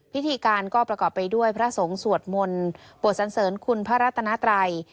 พิธีการก็ประกอบไปด้วยพระสงฆ์สวดมนต์บวชสันเสริญคุณพระรัตนาไตร